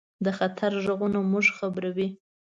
د خطر غږونه موږ خبروي.